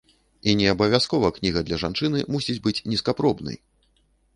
І не абавязкова кніга для жанчыны мусіць быць нізкапробнай.